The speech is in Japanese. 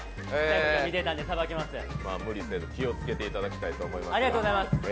無理せず気をつけていただきたいと思います。